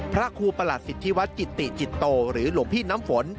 พระครูประหลัดสิทธิวัฒน์กิติจิตโตหรือหลวงพี่น้ำฝน